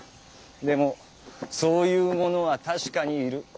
でもそういうものは確かにいる。